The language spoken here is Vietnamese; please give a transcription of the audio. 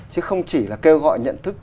chứ không chỉ là kêu gọi nhận thức